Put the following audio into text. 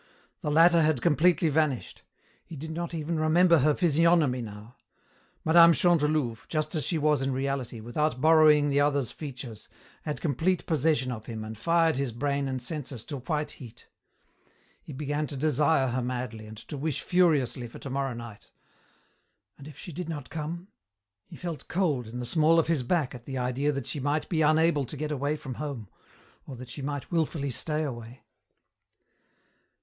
The latter had completely vanished. He did not even remember her physiognomy now. Mme. Chantelouve, just as she was in reality, without borrowing the other's features, had complete possession of him and fired his brain and senses to white heat. He began to desire her madly and to wish furiously for tomorrow night. And if she did not come? He felt cold in the small of his back at the idea that she might be unable to get away from home or that she might wilfully stay away.